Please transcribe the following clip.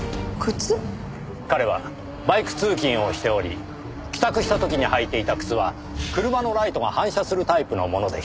彼はバイク通勤をしており帰宅した時に履いていた靴は車のライトが反射するタイプのものでした。